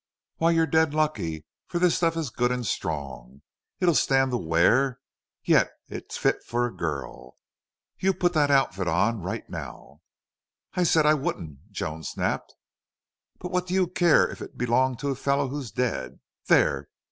Why, you're dead lucky. For this stuff is good and strong. It'll stand the wear, yet it's fit for a girl.... You put the outfit on, right now." "I said I wouldn't!" Joan snapped. "But what do you care if it belonged to a fellow who's dead?... There!